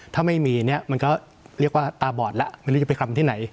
ถ้าไม่มีเนี่ยมันก็เรียกว่าตาบอดแล้วไม่รู้จะไปคำที่ไหน